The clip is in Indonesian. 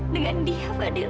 dengan dia fadil